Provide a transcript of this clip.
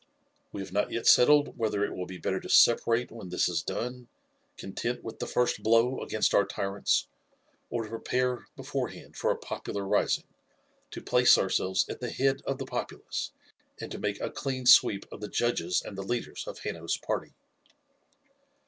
We have not yet settled whether it will be better to separate when this is done, content with the first blow against our tyrants, or to prepare beforehand for a popular rising, to place ourselves at the head of the populace, and to make a clean sweep of the judges and the leaders of Hanno's party."